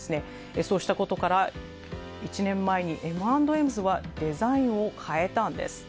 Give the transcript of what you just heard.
そうしたことから１年前にＭ＆Ｍ’ｓはデザインを変えたんです。